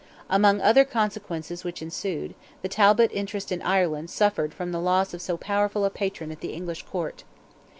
Among other consequences which ensued, the Talbot interest in Ireland suffered from the loss of so powerful a patron at the English court.